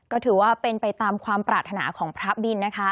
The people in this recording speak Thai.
ก็ถือว่าเป็นไปตามความปรารถนาของพระบินนะคะ